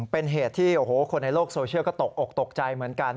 เป็นเหตุที่โอ้โหคนในโลกโซเชียลก็ตกอกตกใจเหมือนกัน